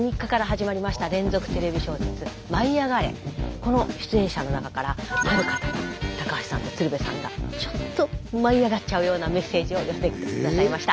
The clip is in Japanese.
この出演者の中からある方が高橋さんと鶴瓶さんがちょっと舞いあがっちゃうようなメッセージを寄せてくださいました。